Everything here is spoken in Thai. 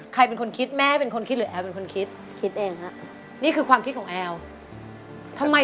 ก็เป็นอีกครั้งเรื่องหนึ่งที่ดีเหมือนกันนะว่าแก